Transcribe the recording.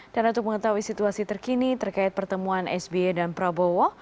dan untuk mengetahui situasi terkini terkait pertemuan sba dan prabowo